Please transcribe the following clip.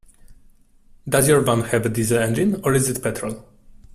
Does your van have a diesel engine, or is it petrol?